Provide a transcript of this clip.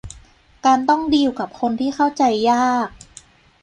การต้องดีลกับคนที่เข้าใจยาก